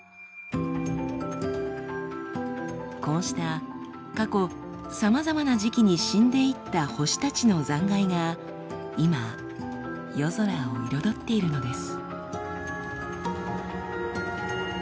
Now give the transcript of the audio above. こうした過去さまざまな時期に死んでいった星たちの残骸が今夜空を彩っているのです。